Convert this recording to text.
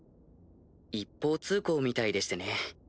一方通行みたいでしてね。